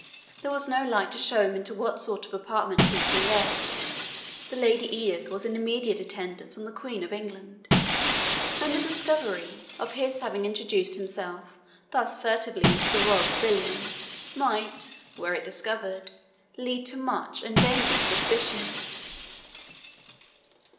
There was no light to show him into what sort of apartment he had been led the Lady Edith was in immediate attendance on the Queen of England and the discovery of his having introduced himself thus furtively into the royal pavilion might, were it discovered; lead to much and dangerous suspicion.